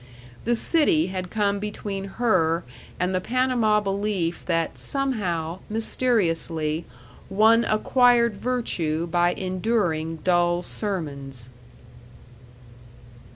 The city had come between her and the Panama belief that somehow, mysteriously, one acquired virtue by enduring dull sermons.